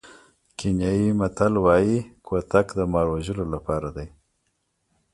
کینیايي متل وایي کوتک د مار وژلو لپاره دی.